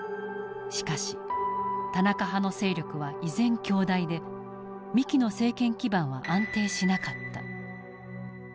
しかし田中派の勢力は依然強大で三木の政権基盤は安定しなかった。